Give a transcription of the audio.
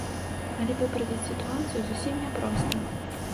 Але выправіць сітуацыю зусім няпроста.